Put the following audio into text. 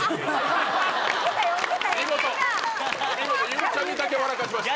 ゆうちゃみだけ笑かしました。